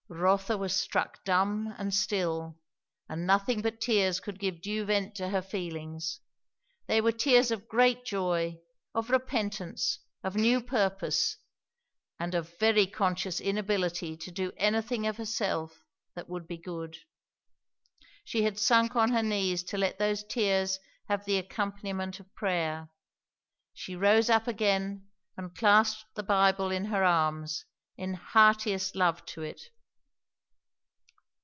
Rotha was struck dumb and still, and nothing but tears could give due vent to her feelings; they were tears of great joy, of repentance, of new purpose, and of very conscious inability to do anything of herself that would be good. She had sunk on her knees to let those tears have the accompaniment of prayer; she rose up again and clasped the Bible in her arms, in heartiest love to it.